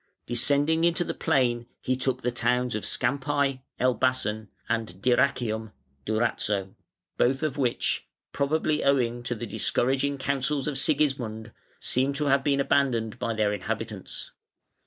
Descending into the plain he took the towns of Scampæ (Elbassan) and Dyrrhachium (Durazzo), both of which, probably owing to the discouraging counsels of Sigismund, seem to have been abandoned by their inhabitants.